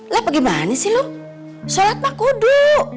lah apa gimana sih lo salat mah kudu